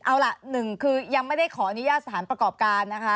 เอาล่ะหนึ่งคือยังไม่ได้ขออนุญาตสถานประกอบการนะคะ